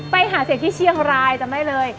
ไปหาเสียงที่เชียงรายจำได้เลย